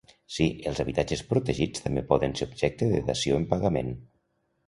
Sí, els habitatges protegits també poden ser objecte de dació en pagament.